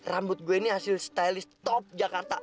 rambut gue ini hasil stylist top jakarta